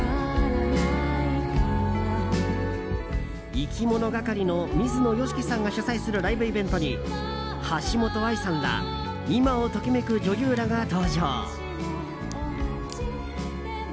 いきものがかりの水野良樹さんが主宰するライブイベントに橋本愛さんら今を時めく女優らが登場。